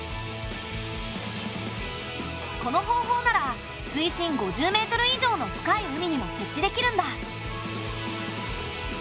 この方法なら水深５０ｍ以上の深い海にも設置できるんだ。